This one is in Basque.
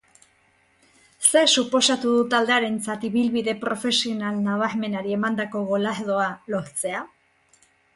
Zer suposatu du taldearentzat ibilbide profesional nabarmenari emandako golardoa lortzea?